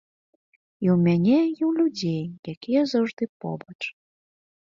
І ў мяне, і ў людзей, якія заўжды побач.